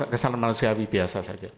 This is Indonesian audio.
kesalahan manusiawi biasa saja